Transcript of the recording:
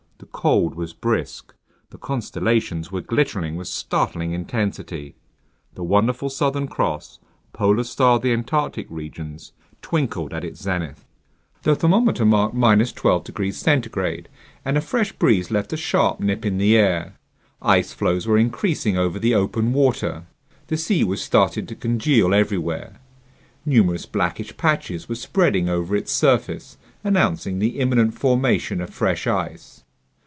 The cold was brisk. The constellations were glittering with startling intensity. The wonderful Southern Cross, polar star of the Antarctic regions, twinkled at its zenith. The thermometer marked 12 degrees centigrade, and a fresh breeze left a sharp nip in the air. Ice floes were increasing over the open water. The sea was starting to congeal everywhere. Numerous blackish patches were spreading over its surface, announcing the imminent formation of fresh ice.